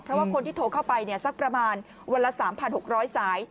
เพราะว่าคนที่โทรเข้าไปสักประมาณวันละ๓๖๐๐สาย